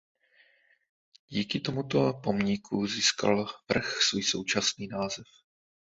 Díky tomuto pomníku získal vrch svůj současný název.